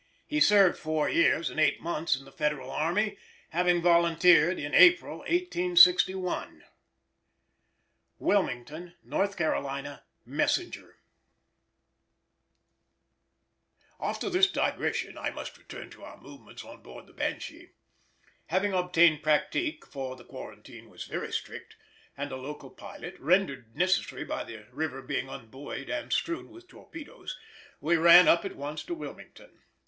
He served four years and eight months in the Federal army, having volunteered in April 1861. Wilmington (N. C.) Messenger. After this digression I must return to our movements on board the Banshee. Having obtained pratique (for the quarantine was very strict) and a local pilot, rendered necessary by the river being unbuoyed and strewn with torpedoes, we ran up at once to Wilmington.